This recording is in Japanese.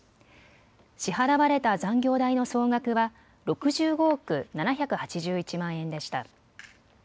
支払われた残業代の総額は６５億７８１万円でした。